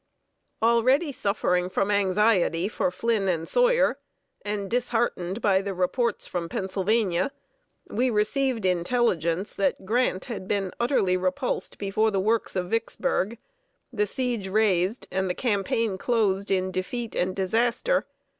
Already suffering from anxiety for Flynn and Sawyer, and disheartened by the reports from Pennsylvania, we received intelligence that Grant had been utterly repulsed before the works of Vicksburg, the siege raised, and the campaign closed in defeat and disaster.